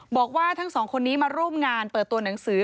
บอกว่าทั้งสองคนนี้มาร่วมงานเปิดตัวหนังสือ